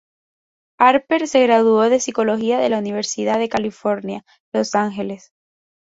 Harper se graduó de psicología de la Universidad de California, Los Ángeles.